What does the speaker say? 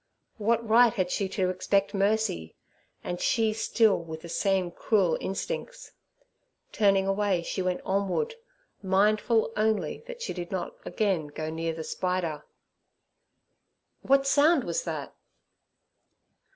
What right had she to expect mercy, and she still with the same cruel instincts? Turning away, she went onward, mindful only that she did not again go near the spider. What sound was that?